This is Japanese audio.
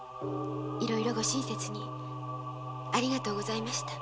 いろいろご親切にありがとうございました。